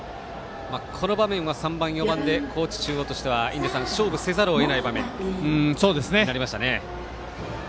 この場面は３番、４番で高知中央としては勝負せざるをえない場面になりましたね。